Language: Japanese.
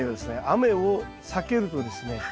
雨を避けるとですね